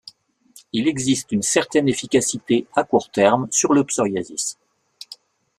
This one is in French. Il existe une certaine efficacité à court terme sur le psoriasis.